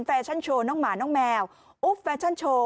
แฟชั่นโชว์น้องหมาน้องแมวอุ๊บแฟชั่นโชว์